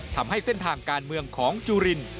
ทำให้เส้นทางการเมืองของจุริน